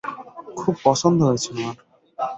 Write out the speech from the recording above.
খুব পছন্দ হয়েছে আমার।